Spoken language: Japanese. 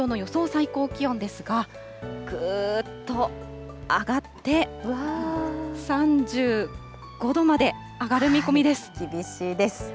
最高気温ですが、ぐーっと上がって、厳しいです。